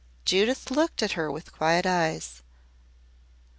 Judith looked at her with quiet eyes.